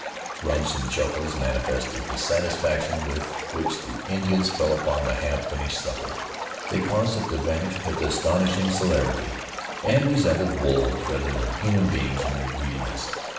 Grunts and chuckles manifested the satisfaction with which the Indians fell upon the half finished supper. They caused it to vanish with astonishing celerity, and resembled wolves rather than human beings in their greediness.